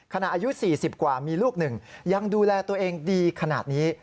อายุ๔๐กว่ามีลูกหนึ่งยังดูแลตัวเองดีขนาดนี้